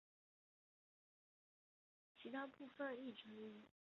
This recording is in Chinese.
其他部分亦存疑。